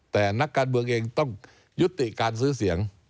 แต่นักการเมืองเองต้องยุติการซื้อเสียง